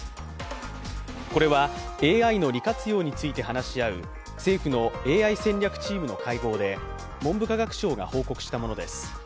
これはＡＩの利活用について話し合う政府のＡＩ戦略チームの会合で文部科学省が報告したものです。